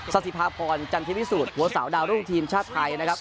สถิภาพรจันทิวิสูจน์หัวสาวดาวรุ่งทีมชาติไทยนะครับ